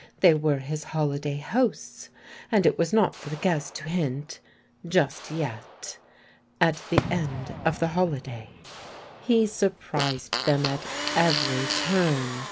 They were his holiday hosts, and it was not for the guest to hint (just yet) at the end of the holiday. He surprised them at every turn.